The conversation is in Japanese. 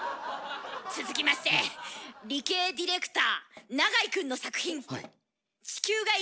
続きまして理系ディレクター永井君の作品。